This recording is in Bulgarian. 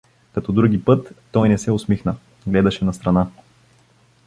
Като други път, той не се усмихна, гледаше настрана.